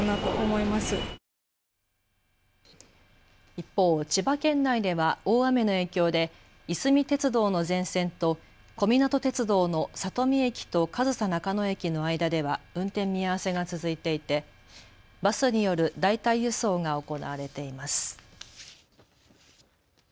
一方、千葉県内では大雨の影響でいすみ鉄道の全線と小湊鐵道の里見駅と上総中野駅の間では運転見合わせが続いていてバスによる代替輸送が行われています。